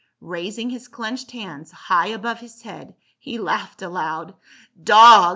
Raising his clenched hands high above his head he laughed aloud. " Dog!"